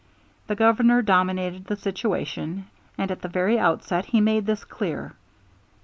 The Governor dominated the situation, and at the very outset he made this clear.